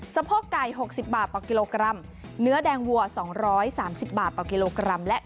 โพกไก่๖๐บาทต่อกิโลกรัมเนื้อแดงวัว๒๓๐บาทต่อกิโลกรัมและ